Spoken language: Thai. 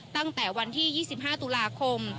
ตั้งแต่วันที่๒๕ตุลาคม